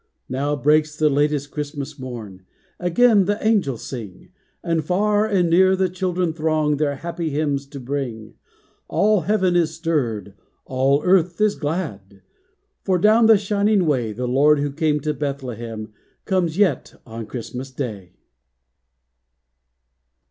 Now breaks the latest Christmas Morn! Again the angels sing, And far and near the children throng Their happy hymns to bring. All heaven is stirred! All earth is glad! For down the shining way, The Lord who came to Bethlehem, Comes yet, on Christmas Day.